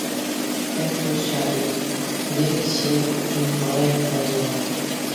كەم سۆز شائىر، يىرىك شېئىر ئۈچۈن باراي قايانغا؟ !